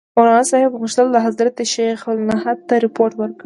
مولناصاحب غوښتل حضرت شیخ الهند ته رپوټ ورکړي.